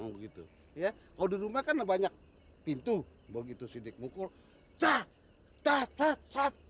bukit ya kalau gitunya banyak pintu begitu sih we instant